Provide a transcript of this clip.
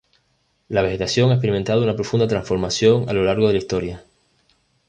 La vegetación ha experimentado una profunda transformación a lo largo de la historia.